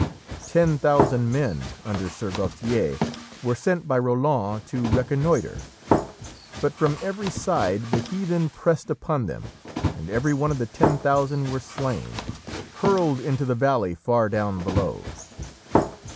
Ten thousand men, under Sir Gautier, were sent by Roland to reconnoitre, but from every side the heathen pressed upon them, and every one of the ten thousand were slain hurled into the valley far down below.